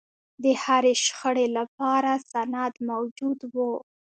د هرې شخړې لپاره سند موجود و.